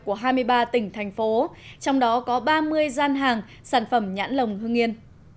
của hai mươi ba tỉnh thành phố trong đó có ba mươi gian hàng sản phẩm nhãn lồng hương yên